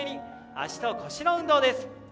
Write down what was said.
脚と腰の運動です。